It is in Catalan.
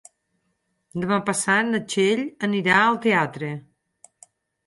Demà passat na Txell anirà al teatre.